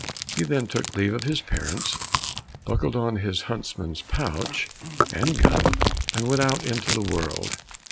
He then took leave of his parents, buckled on his huntsman's pouch and gun, and went out into the world.